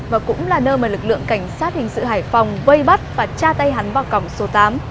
và cũng là nơi mà lực lượng cảnh sát hình sự hải phòng vây bắt và tra tay hắn vào còng số tám